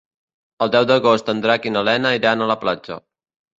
El deu d'agost en Drac i na Lena iran a la platja.